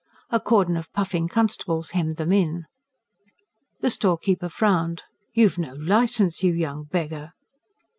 A cordon of puffing constables hemmed them in. The storekeeper frowned. "You've no licence, you young beggar!"